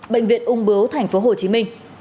bệnh viện úng bướu tp hcm